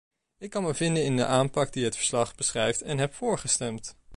Ik kan me vinden in de aanpak die het verslag beschrijft en heb voorgestemd.